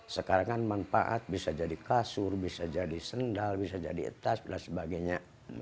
sekarang kan manfaat bisa jadi kasur bisa jadi sendal bisa jadi etas dan sebagainya